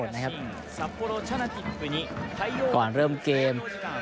จะพบแบบนั้นก่อนเริ่มเกม